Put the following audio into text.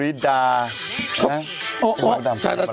รูขึ้นมาหน่อยละคักไม่ได้ล่ะ